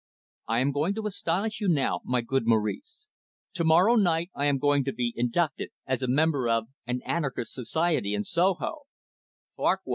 "I am going to astonish you now, my good Maurice. To morrow night I am going to be inducted as a member of an anarchist society in Soho."